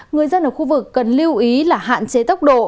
người dân ở khu vực cần lưu ý là hạn chế tốc độ